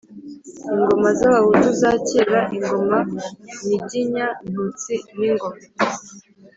ingoma z'abahutu za kera, ingoma nyiginya-ntutsi n'ingoma